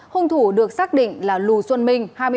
hùng thủ được xác định là lù xuân minh